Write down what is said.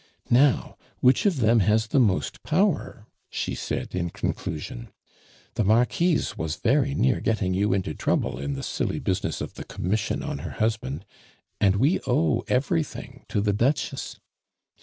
"Now, which of them has the most power?" she said in conclusion. "The Marquise was very near getting you into trouble in the silly business of the commission on her husband, and we owe everything to the Duchess.